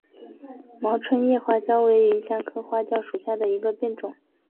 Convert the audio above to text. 毛椿叶花椒为芸香科花椒属下的一个变种。